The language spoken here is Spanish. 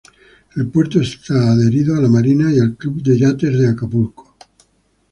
El puerto está adherido a la Marina y al Club de Yates de Acapulco.